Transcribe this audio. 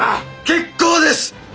結構です。